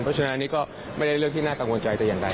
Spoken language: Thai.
เพราะฉะนั้นอันนี้ก็ไม่ได้เรื่องที่น่ากังวลใจแต่อย่างใด